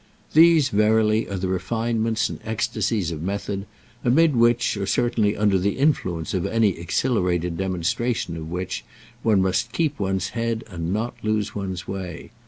These verily are the refinements and ecstasies of method—amid which, or certainly under the influence of any exhilarated demonstration of which, one must keep one's head and not lose one's way.